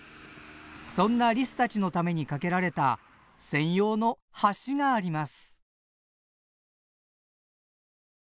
そんなリスたちのために架けられた専用の橋があります。